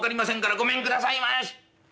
ごめんくださいまし！」。